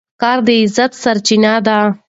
کار د عزت سرچینه ده.